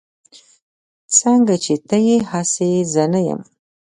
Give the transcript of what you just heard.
سنګه چې ته يي هسې زه نه يم